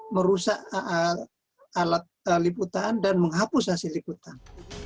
merusak alat liputan dan menghapus hasil liputan